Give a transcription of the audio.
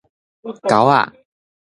溝仔